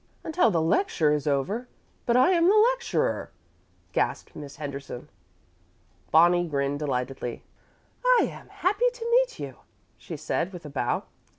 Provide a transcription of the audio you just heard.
"Until the lecture is over! But I am the lecturer," gasped Miss Henderson. Bonnie grinned delightedly. "I am happy to meet you," she said, with a bow.